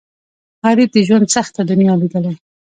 غریب د ژوند سخته دنیا لیدلې ده